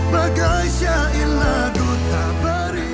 bagai syailah ku tak berirama